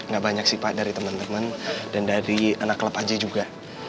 gak banyak sih pak dari temen temen dan dari anak club aja juga